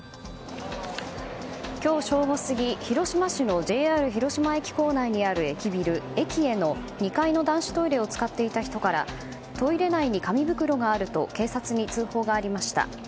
今日正午過ぎ広島市のＪＲ広島駅構内にある駅ビルｅｋｉｅの２階の男子トイレを使っていた人からトイレ内に紙袋があると警察に通報がありました。